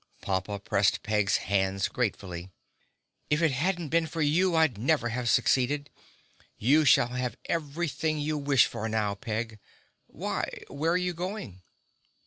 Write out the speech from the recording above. Pompa pressed Peg's hands gratefully. "If it hadn't been for you I'd never have succeeded. You shall have everything you wish for now, Peg. Why, where are you going?"